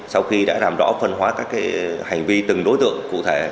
sau khi đã làm rõ phân hóa các hành vi từng đối tượng cụ thể